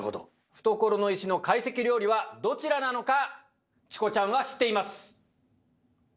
懐の石の懐石料理はどちらなのかチコちゃんは知っています！